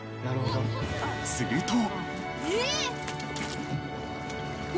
［すると］